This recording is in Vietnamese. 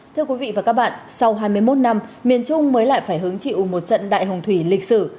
thưa quý vị và các bạn sau hai mươi một năm miền trung mới lại phải hứng chịu một trận đại hồng thủy lịch sử